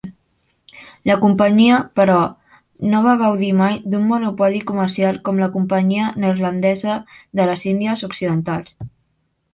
La companyia, però, no va gaudir mai d'un monopoli comercial com la Companyia Neerlandesa de les Índies Occidentals.